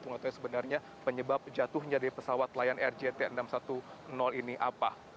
mengetahui sebenarnya penyebab jatuhnya dari pesawat lion air jt enam ratus sepuluh ini apa